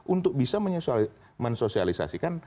untuk bisa mensosialisasikan